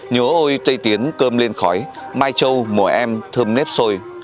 nhớ ôi tây tiến cơm lên khói mai châu mùa em thơm nếp sôi